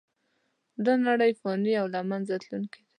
دا نړۍ فانې او له منځه تلونکې ده .